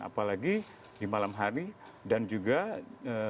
apalagi di malam hari dan juga di tengah